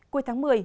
cuối tháng một mươi